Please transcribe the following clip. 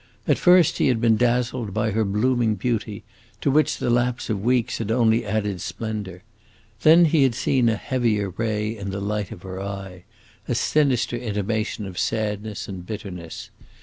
At first he had been dazzled by her blooming beauty, to which the lapse of weeks had only added splendor; then he had seen a heavier ray in the light of her eye a sinister intimation of sadness and bitterness.